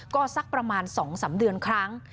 ก็สักประมาณ๒๓เดือนครั้ง